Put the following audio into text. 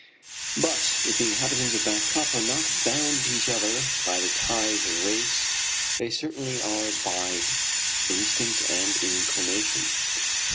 But if the inhabitants of Back Cup are not bound to each other by ties of race, they certainly are by instinct and inclination.